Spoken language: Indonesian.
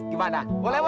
gimana boleh bos